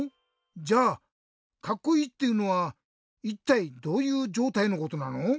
じゃあカッコイイっていうのはいったいどういうじょうたいのことなの？